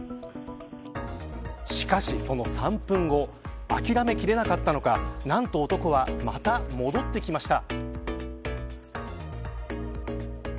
しかし、その３分後諦めきれなかったのかなんと男はまた戻ってきました。